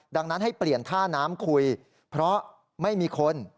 ดังนั้นให้เปลี่ยนท่าน้ำคุยเพราะไม่มีคน